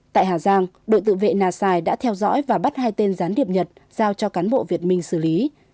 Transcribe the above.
tại hà giang đội tự vệ nà xài đã theo dõi và bắt hai tên gián điệp nhật giao cho cán bộ việt minh xử lý